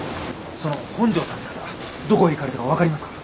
その本庄さんって方どこへ行かれたかわかりますか？